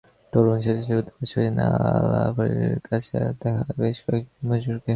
তরুণ স্বেচ্ছাসেবকদের পাশাপাশি নালা পরিষ্কারের কাজে লাগানো হয় বেশ কয়েকজন দিনমজুরকে।